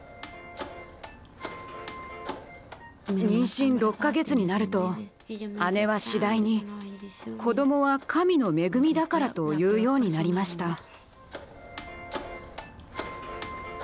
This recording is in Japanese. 妊娠６か月になると姉は次第に「子どもは神の恵みだから」と言うようになりました。